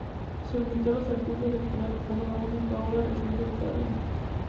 Se solicitó a los artistas exponer una única obra reciente de cada uno.